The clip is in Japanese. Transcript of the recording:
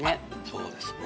そうですね。